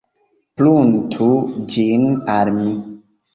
Pruntu ĝin al mi!